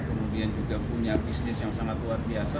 kemudian juga punya bisnis yang sangat luar biasa